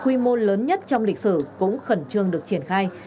quy mô lớn nhất trong lịch sử cũng khẩn trương được triển khai